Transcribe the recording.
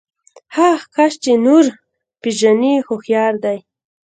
هغه کس چې نور پېژني هوښيار دی.